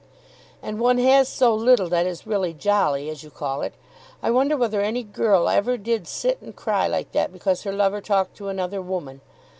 "And one has so little that is really jolly, as you call it. I wonder whether any girl ever did sit and cry like that because her lover talked to another woman.